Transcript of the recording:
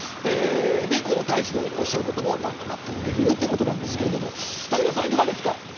この大使のおっしゃることも納得できるということですが武田さんいかがですか。